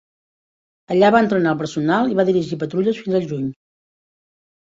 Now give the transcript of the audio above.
Allà va entrenar el personal i va dirigir patrulles fins al juny.